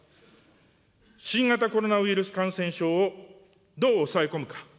新型コロナウイルス感染症を、どう抑え込むか。